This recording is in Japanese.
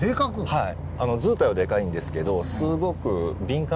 はい。